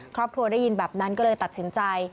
ครอบครัวได้ยินแบบนั้นก็เลยตัดสินใจ